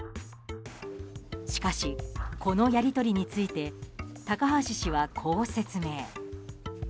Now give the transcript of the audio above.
しかし、このやり取りについて高橋氏はこう説明。